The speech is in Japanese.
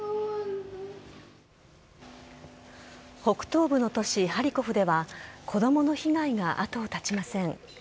北東部の都市、ハリコフでは子どもの被害が後を絶ちません。